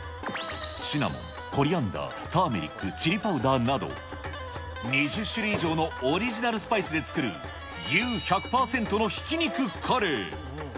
シナモン、コリアンダー、ターメリック、チリパウダーなど、２０種類以上のオリジナルスパイスで作る、牛１００％のひき肉カレー。